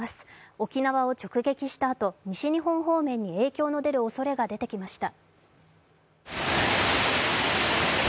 沖縄を直撃したあと西日本方面に影響が出るおそれが出ました。